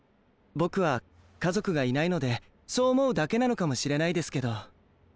僕は家族がいないのでそう思うだけなのかもしれないですけど。